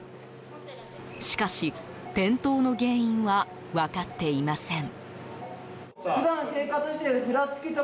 しかし、転倒の原因は分かっていません。